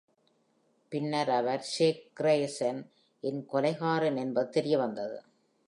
பின்னர், அவர் Zack Grayson இன் கொலைகாரன் என்பது தெரியவந்தது.